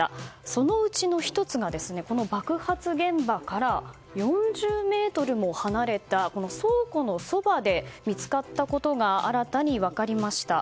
そのうちの１つが爆発現場から４０ｍも離れた倉庫のそばで見つかったことが新たに分かりました。